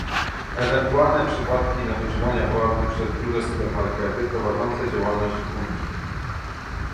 Ewentualne przypadki nadużywania władzy przez duże supermarkety prowadzące działalność w Unii